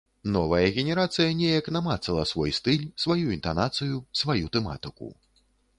Новая генерацыя неяк намацала свой стыль, сваю інтанацыю, сваю тэматыку.